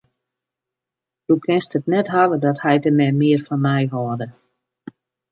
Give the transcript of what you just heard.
Do kinst it net hawwe dat heit en mem mear fan my hâlde.